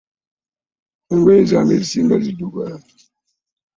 Engoye zange ezisinga ziddugala.